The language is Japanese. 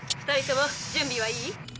２人とも準備はいい？